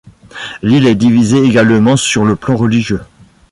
L'île est divisée également sur le plan religieux.